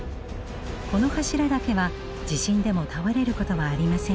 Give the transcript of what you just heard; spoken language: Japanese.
この柱だけは地震でも倒れることはありませんでした。